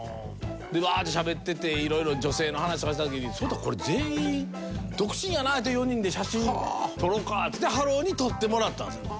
でわーってしゃべってて色々女性の話とかした時に「そうだこれ全員独身やな」って４人で写真撮ろうかっつってハローに撮ってもらったんですよ。